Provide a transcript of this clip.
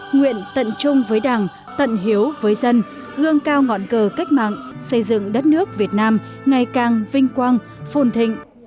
nguyện tận trung với đảng tận hiếu với dân gương cao ngọn cờ cách mạng xây dựng đất nước việt nam ngày càng vinh quang phồn thịnh